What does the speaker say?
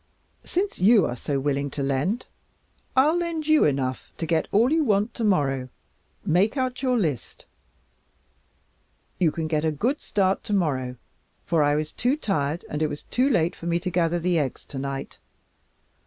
Since you are so willing to lend, I'll lend you enough to get all you want tomorrow. Make out your list. You can get a good start tomorrow for I was too tired and it was too late for me to gather the eggs tonight.